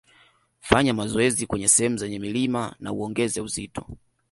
Fanya mazoezi kwenye sehemu zenye milima na uongeze uzito